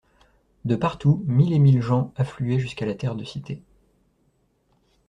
De partout, mille et mille gens affluaient jusqu'à la Terre de Cité.